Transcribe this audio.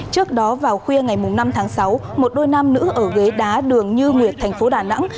trước đó vào khuya ngày năm tháng sáu một đôi nam nữ ở ghế đá đường như nguyệt thành phố đà nẵng